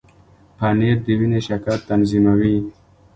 پنېر د وینې شکر تنظیموي.